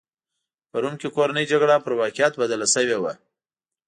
په روم کې کورنۍ جګړه پر واقعیت بدله شوې وه.